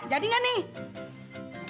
jadi gak nih